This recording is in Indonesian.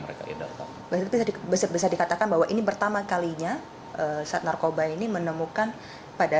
mereka bisa dikatakan bahwa ini pertama kalinya saat narkoba ini menemukan pada